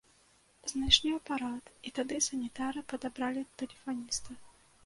Знайшлі апарат, і тады санітары падабралі тэлефаніста.